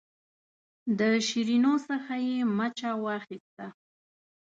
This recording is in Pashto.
د شیرینو څخه یې مچه واخیسته.